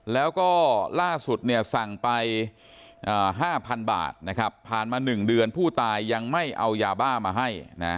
แล้วก็ล่าสุดสั่งไป๕๐๐๐บาทผ่านมา๑เดือนผู้ตายยังไม่เอายาบ้ามาให้